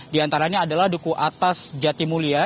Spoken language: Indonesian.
di antaranya adalah duku atas jati mulia